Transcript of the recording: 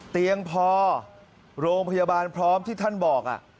เตียงพอโรงพยาบาลพร้อมที่ท่านบอก